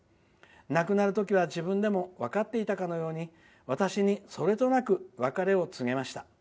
亡くなる時は自分でも分かっていたかのように私にそれとなく別れを告げました。